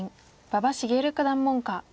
馬場滋九段門下。